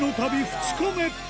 ２日目